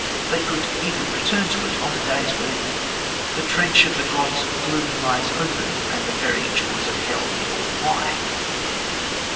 They could even return to it on the days when "the trench of the gods of gloom lies open and the very jaws of hell yawn wide."